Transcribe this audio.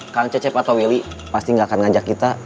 kang cecep atau willy pasti gak akan ngajak kita